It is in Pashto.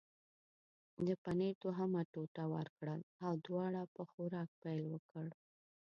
د پنیر دوهمه ټوټه ورکړل او دواړو په خوراک پیل وکړ.